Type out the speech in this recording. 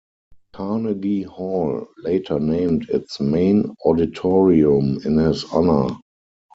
Carnegie Hall later named its main auditorium in his honor.